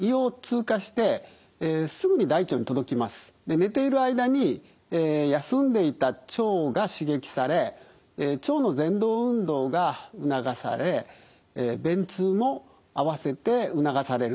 寝ている間に休んでいた腸が刺激され腸のぜん動運動が促され便通も併せて促される。